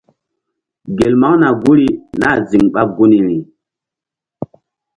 Gel maŋna guri nah ziŋ ɓa gunri.